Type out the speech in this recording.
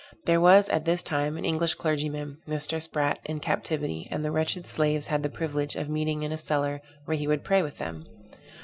There was at this time an English clergyman, Mr. Sprat, in captivity, and the wretched slaves had the privilege of meeting in a cellar, where he would pray with them.